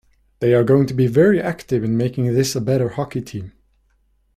They're going to be very active in making this a better hockey team.